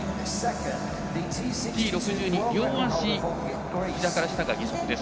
Ｔ６２、両足ひざから下が義足です。